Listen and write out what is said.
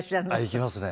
行きますね。